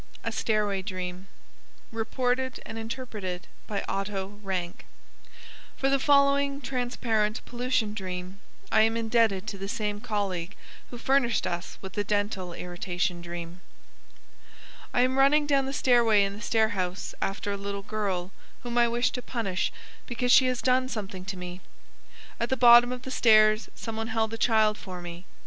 A stairway dream. (Reported and interpreted by Otto Rank.) For the following transparent pollution dream, I am indebted to the same colleague who furnished us with the dental irritation dream. "I am running down the stairway in the stair house after a little girl, whom I wish to punish because she has done something to me. At the bottom of the stairs some one held the child for me.